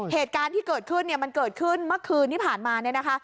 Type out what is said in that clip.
เหตุการณ์ที่เกิดขึ้นเนี่ยมันเกิดขึ้นเมื่อคืนที่ผ่านมาเนี่ยนะคะ